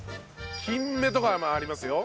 金目とかもありますよ。